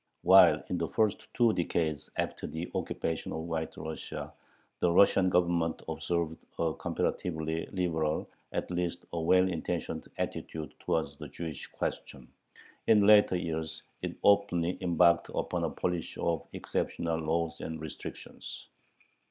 While in the first two decades after the occupation of White Russia the Russian Government observed a comparatively liberal, at least a well intentioned, attitude towards the Jewish question, in later years it openly embarked upon a policy of exceptional laws and restrictions.